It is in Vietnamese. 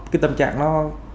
cái tâm trạng nó